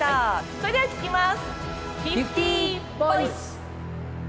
それでは聞きます。